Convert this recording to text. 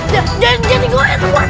jangan jadi gue